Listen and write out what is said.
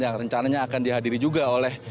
yang rencananya akan dihadiri juga oleh